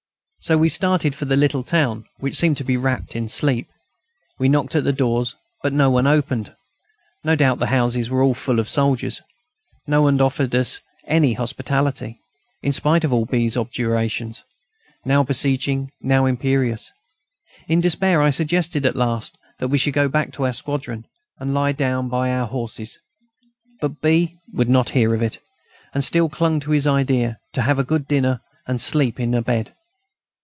So we started for the little town which seemed to be wrapped in sleep. We knocked at the doors, but not one opened; no doubt the houses were all full of soldiers. No one offered us any hospitality, in spite of all B.'s objurgations, now beseeching, now imperious. In despair, I suggested at last that we should go back to our squadron, and lie down by our horses; but B. would not hear of it, and still clung to his idea: to have a good dinner, and sleep in a bed.